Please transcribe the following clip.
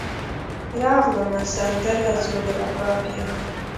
راغلمه , سندره زوړرباب یمه